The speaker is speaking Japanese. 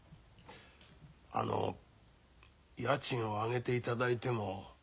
あの家賃を上げていただいても。